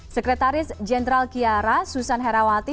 sekretaris jenderal kiara susan herawati